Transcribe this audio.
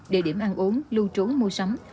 địa điểm ăn uống lưu trú mua sắm